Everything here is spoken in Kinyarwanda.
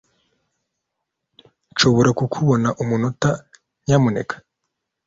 nshobora kukubona umunota, nyamuneka